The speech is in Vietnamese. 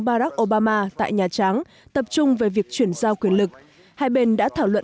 barack obama tại nhà trắng tập trung về việc chuyển giao quyền lực hai bên đã thảo luận